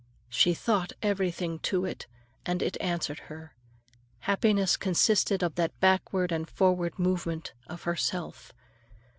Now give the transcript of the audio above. She thought everything to it, and it answered her; happiness consisted of that backward and forward movement of herself.